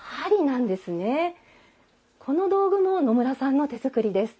この道具も野村さんの手作りです。